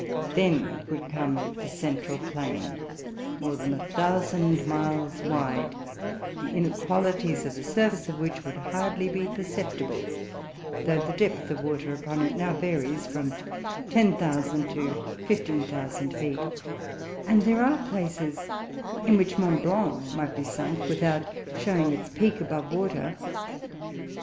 Then would come the central plain, more than a thousand miles wide, the inequalities of the surface of which would be hardly perceptible, though the depth of water upon it now varies from 10,000 to 15,000 feet; and there are places in which Mont Blanc might be sunk without showing its peak above water.